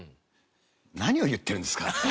何を言ってるんですか？